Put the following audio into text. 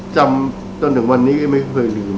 จำจนถึงวันนี้ก็ไม่เคยรีด